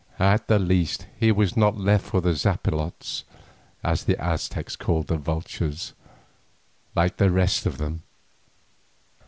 At the least he was not left for the zapilotes, as the Aztecs call the vultures, like the rest of them.